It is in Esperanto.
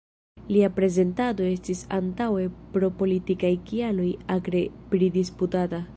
Lia prezentado estis antaŭe pro politikaj kialoj akre pridisputata.